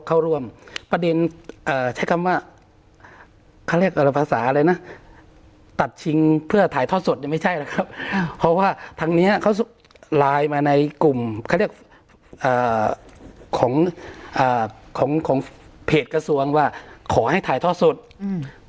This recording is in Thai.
เข้าร่วมประเด็นเอ่อใช้คำว่าเขาเรียกอะไรภาษาอะไรนะตัดชิงเพื่อถ่ายทอดสดยังไม่ใช่นะครับเพราะว่าทางเนี้ยเขาไลน์มาในกลุ่มเขาเรียกอ่าของอ่าของของเพจกระทรวงว่าขอให้ถ่ายทอดสดอืม